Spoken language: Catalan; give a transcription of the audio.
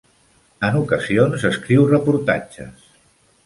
En ocasions escriu reportatges.